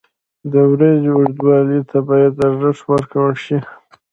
• د ورځې اوږدوالي ته باید ارزښت ورکړل شي.